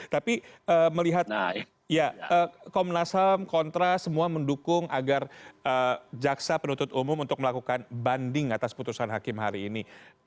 tapi melihat ya komnas ham kontra semua mendukung agar jaksa penuntut umum untuk melakukan banding atas putusan hakim hari ini